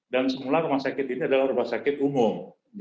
dan semula rumah sakit ini adalah rumah sakit umum